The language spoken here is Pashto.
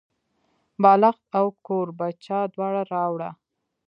بالښت او کوربچه دواړه راوړه.